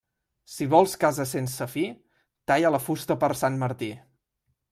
Si vols casa sense fi, talla la fusta per Sant Martí.